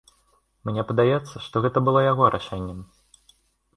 Мне падаецца, што гэта было яго рашэннем.